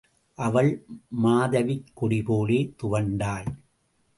அவள் மாதவிக்கொடிபோலத் துவண்டாள்.